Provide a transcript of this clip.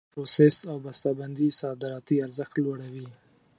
د میوو پروسس او بسته بندي صادراتي ارزښت لوړوي.